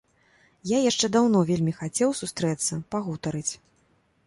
Я яшчэ даўно вельмі хацеў сустрэцца, пагутарыць.